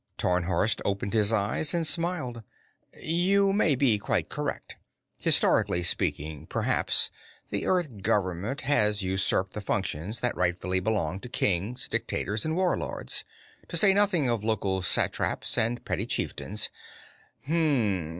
Tarnhorst opened his eyes and smiled. "You may be quite correct. Historically speaking, perhaps, the Earth government has usurped the functions that rightfully belong to kings, dictators, and warlords. To say nothing of local satraps and petty chieftains.